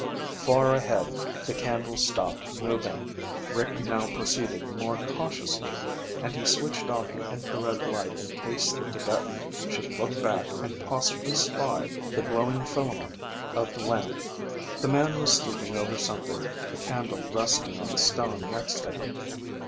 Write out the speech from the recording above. Far ahead, the candle stopped moving. Rick now proceeded more cautiously, and he switched off the infrared light in case the Tibetan should look back and possibly spy the glowing filament of the lamp. The man was stooping over something, the candle resting on the stone next to him.